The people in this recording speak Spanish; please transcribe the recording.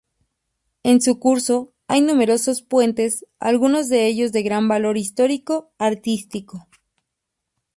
En su curso hay numerosos puentes algunos de ellos de gran valor histórico-artístico.